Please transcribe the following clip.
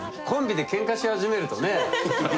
コンビでケンカし始めるとね